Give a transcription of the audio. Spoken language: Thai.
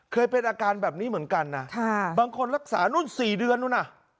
เคยเป็นอาการแบบนี้เหมือนกันนะบางคนรักษานู่น๔เดือนนู่นน่ะ